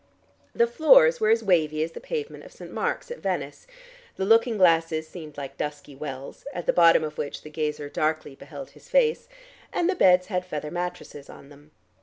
The floors were as wavy as the pavement of St. Mark's at Venice, the looking glasses seemed like dusky wells, at the bottom of which the gazer darkly beheld his face, and the beds had feather mattresses on them.